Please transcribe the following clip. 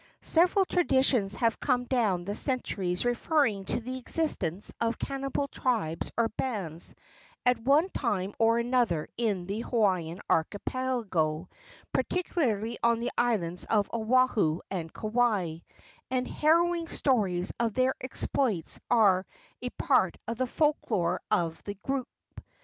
Several traditions have come down the centuries referring to the existence of cannibal tribes or bands at one time or another in the Hawaiian archipelago, particularly on the islands of Oahu and Kauai, and harrowing stories of their exploits are a part of the folk lore of the group.